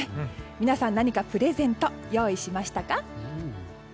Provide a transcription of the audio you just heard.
皆さん何かプレゼント用意しましたか？